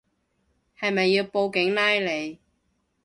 係咪要報警拉你